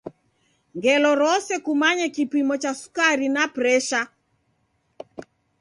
Ngelo rose kumanye kipimo cha sukari na presha.